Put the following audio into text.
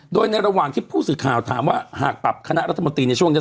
โดยในระหว่างที่ผู้สื่อข่าวถามว่าหากปรับคณะรัฐมนตรีในช่วงนี้